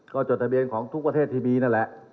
ก็จดทะเบียนของทุกประเทศที่มีนั่นแหละ